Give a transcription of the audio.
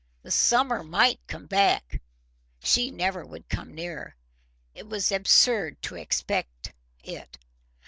The summer MIGHT come back; she never would come nearer: it was absurd to expect it.